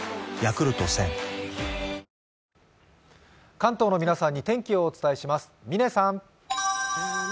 関東の皆さんに天気をお伝えします。